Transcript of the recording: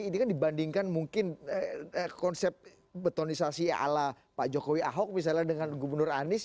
ini kan dibandingkan mungkin konsep betonisasi ala pak jokowi ahok misalnya dengan gubernur anies